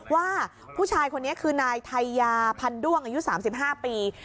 ว่าผู้ชายคนนี้คือนายไทยยาพันด้วงอายุ๓๕ปี